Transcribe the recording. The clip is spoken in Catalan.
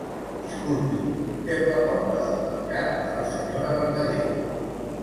Disculpi, portem la porta del mercat de la senyora Verdaguer.